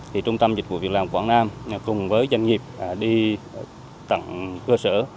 thì trung tâm dịch vụ việc làm quảng nam cùng với doanh nghiệp đi tặng cơ sở